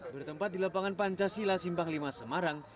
bertempat di lapangan pancasila simpang lima semarang